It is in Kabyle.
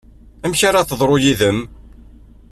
Amek ara teḍru yid-m?